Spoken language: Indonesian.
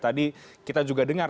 tadi kita juga dengar